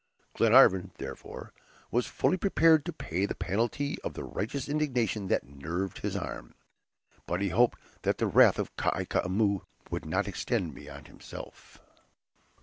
Glenarvan, therefore, was fully prepared to pay the penalty of the righteous indignation that nerved his arm, but he hoped that the wrath of Kai Koumou would not extend beyond himself.